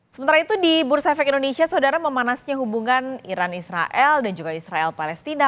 sementara itu di bursa efek indonesia saudara memanasnya hubungan iran israel dan juga israel palestina